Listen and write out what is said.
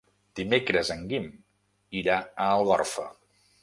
Dimecres en Guim irà a Algorfa.